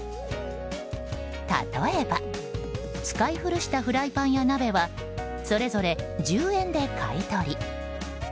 例えば使い古したフライパンや鍋はそれぞれ１０円で買い取り。